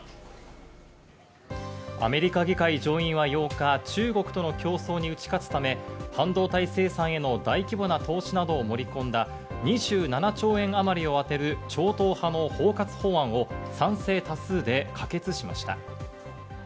アメリカ議会上院は８日、中国との競争に打ち勝つため、半導体生産への大規模な投資など盛り込んだ２７兆円あまりを当てる超党派の包括法案を賛成多数で可決しました。